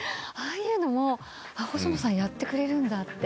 ああいうのも細野さんやってくれるんだって。